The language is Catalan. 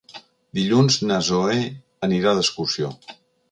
Dilluns na Zoè anirà d'excursió.